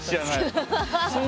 ハハハハ。